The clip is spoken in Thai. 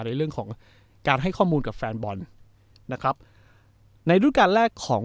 ในเรื่องของการให้ข้อมูลกับแฟนบอลนะครับในรุ่นการแรกของ